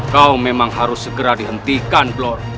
kau memang harus segera dihentikan blor